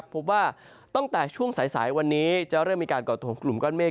พบว่าตั้งแต่ช่วงสายวันนี้จะเริ่มมีการก่อตัวของกลุ่มก้อนเมฆ